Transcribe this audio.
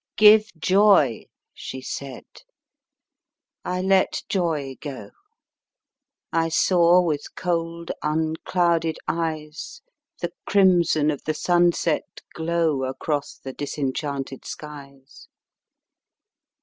" Give joy," she said. I let joy go ; I saw with cold, unclouded eyes The crimson of the sunset glow Across the disenchanted skies.